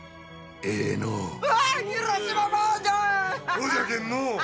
ほうじゃけんのう。